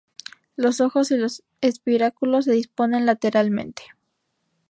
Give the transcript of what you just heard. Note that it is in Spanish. Los ojos y los espiráculos se disponen lateralmente.